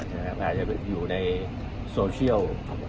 อาจจะอยู่ในโซเชียล